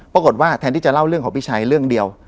แทนที่จะเล่าเรื่องของพี่ชัยเรื่องเดียว